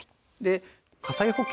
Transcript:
火災保険。